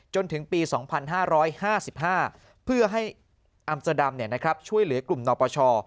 จนถึงปี๒๕๕๕เพื่อให้อำจดำช่วยเหลือกลุ่มนอปช